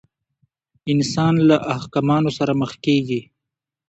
انسان له احمقانو سره مخ کېږي.